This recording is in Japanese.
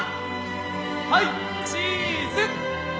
「はいチーズ！」